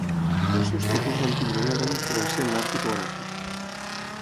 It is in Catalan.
Els seus tipus van tenir una gran influència en l'art tipogràfic.